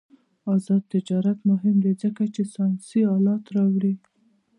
آزاد تجارت مهم دی ځکه چې ساینسي آلات راوړي.